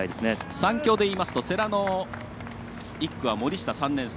３強でいいますと世羅の１区は森下、３年生。